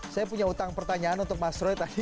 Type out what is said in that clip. saya punya utang pertanyaan untuk mas roy tadi